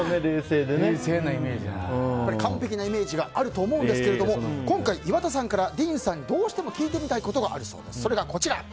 完璧なイメージがあると思うんですが今回、岩田からディーンさんにどうしても聞いてみたいことがあるそうです。